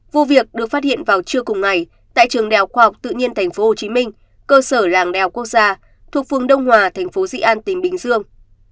vụ việc được phát hiện vào trưa cùng ngày tại trường đèo khoa học tự nhiên thành phố hồ chí minh cơ sở làng đèo quốc gia thuộc phương đông hòa thành phố di an tỉnh bình dương